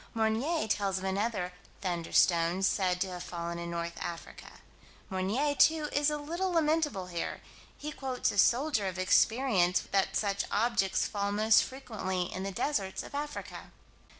Meunier tells of another "thunderstone" said to have fallen in North Africa. Meunier, too, is a little lamentable here: he quotes a soldier of experience that such objects fall most frequently in the deserts of Africa.